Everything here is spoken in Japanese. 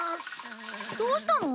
どうしたの？